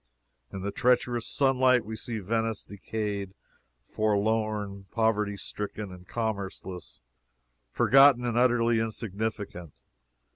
In the treacherous sunlight we see Venice decayed, forlorn, poverty stricken, and commerceless forgotten and utterly insignificant.